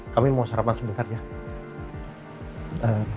kami mau sarapan sedikit